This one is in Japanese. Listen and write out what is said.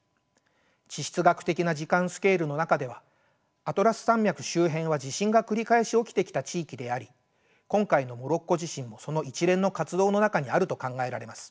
地質学的な時間スケールの中ではアトラス山脈周辺は地震が繰り返し起きてきた地域であり今回のモロッコ地震もその一連の活動の中にあると考えられます。